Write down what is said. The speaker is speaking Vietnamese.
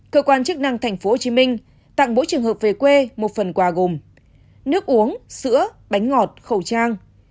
cơ quan chức năng tp hcm tặng mỗi trường hợp về quê một phần quà gồm nước uống sữa bánh ngọt khẩu trang